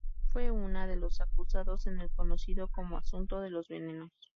Fue una de los acusados en el conocido como asunto de los venenos.